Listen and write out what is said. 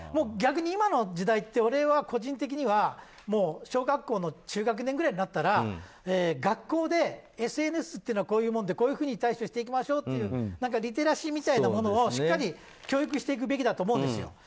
逆に今の時代って、個人的には小学校の中学年くらいになったら学校でＳＮＳっていうのはこういうものでこういうふうに対処していきましょうっていうリテラシーみたいなものをしっかり教育していくべきだと思うんですよ。